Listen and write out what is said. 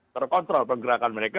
terkontrol pergerakan mereka